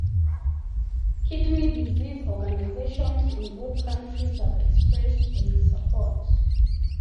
Kidney disease organisations in both countries have expressed their support.